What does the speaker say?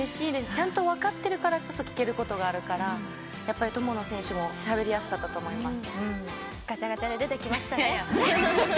ちゃんと分かってるからこそ聞けることがあるから友野選手もしゃべりやすかったと思います。